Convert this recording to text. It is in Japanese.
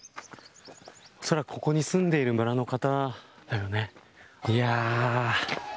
おそらく、ここに住んでいる村の方だよね。